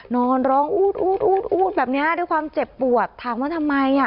นอนร้องอู๊ดอู๊ดแบบนี้ด้วยความเจ็บปวดถามว่าทำไมอ่ะ